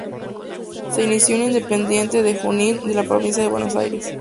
Se inició en Independiente de Junín, de la provincia de Buenos Aires.